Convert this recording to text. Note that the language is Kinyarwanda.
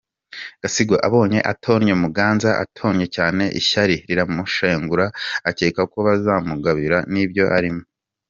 Gasigwa abonye atonnye Muganza atonnye cyane ishyari riramushengura akeka ko bazamugabira n’ibyo arimo.